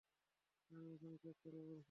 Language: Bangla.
আমি এখনি চেক করে বলছি।